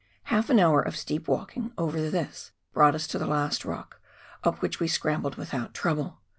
Half an hour of steep walking over this brought us to the last rock, up which we scrambled without trouble.